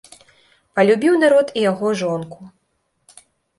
Палюбіў народ і яго жонку.